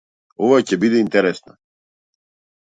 Ова ќе биде интересно.